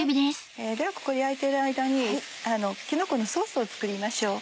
ではここで焼いている間にきのこのソースを作りましょう。